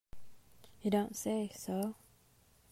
You don't say so!